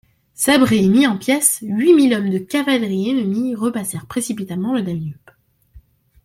Sabrés et mis en pièces, huit mille hommes de cavalerie ennemie repassèrent précipitamment le Danube.